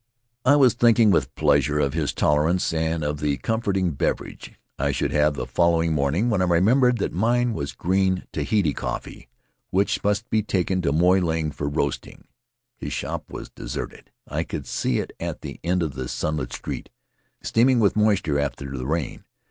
I was thinking with pleasure of his tolerance and of the comforting beverage I should have the following morning when I remembered that mine was green Tahiti coffee which must be taken to Moy Ling for roasting. His shop was deserted. I could see it at the end of the sunlit street, steaming with moisture after the rain.